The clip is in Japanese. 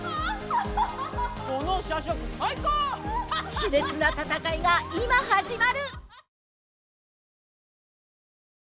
しれつな戦いが今始まる！